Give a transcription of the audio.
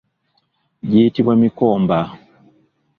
Giyitibwa mikomba.